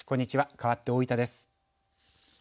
かわって大分です。